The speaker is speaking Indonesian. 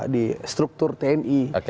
di struktur tni